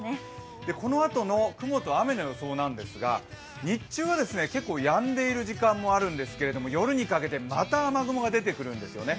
このあとの雲と雨の予想なんですが日中は結構やんでいる時間もあるんですけれども、夜にかけてまた雨雲が出てくるんですよね。